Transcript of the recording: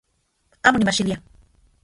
Amo nimajxilia